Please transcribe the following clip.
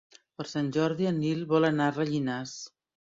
Per Sant Jordi en Nil vol anar a Rellinars.